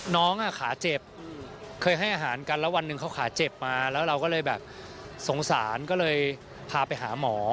น้องขาเจ็บเคยให้อาหารกันแล้ววันหนึ่งเขาขาเจ็บมาแล้วเราก็เลยแบบสงสารก็เลยพาไปหาหมอ